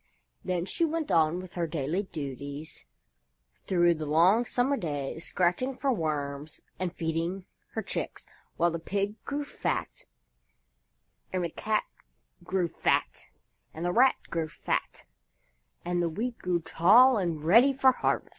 Then she went on with her daily duties through the long summer days, scratching for worms and feeding her chicks, while the Pig grew fat, and the Cat grew fat, and the Rat grew fat, and the Wheat grew tall and ready for harvest.